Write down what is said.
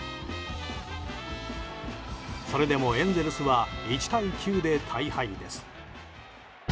それでもエンゼルスは１対９で大敗です。